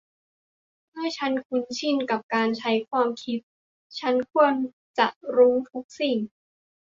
เมื่อฉันคุ้นชินกับการใช้ความคิด ฉันควรจะรู้ทุกสิ่ง